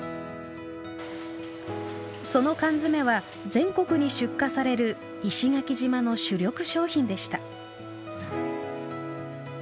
その缶詰は全国に出荷される石垣島の主力商品でした。